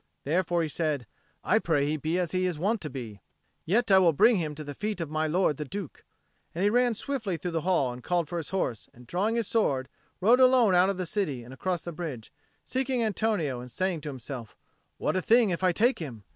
Therefore he said, "I pray he be as he is wont to be: yet I will bring him to the feet of my lord the Duke." And he ran swiftly through the hall and called for his horse, and drawing his sword, rode alone out of the city and across the bridge, seeking Antonio, and saying to himself, "What a thing if I take him!